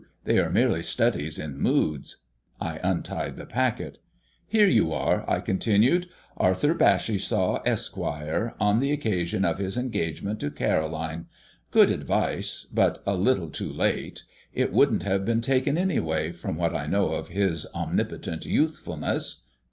They are merely studies in moods." I untied the packet. "Here you are," I continued. "Arthur Bassishaw, Esq., on the occasion of his engagement to Caroline. Good advice but a little too late. It wouldn't have been taken, anyway, from what I know of His Omnipotent Youthfulness.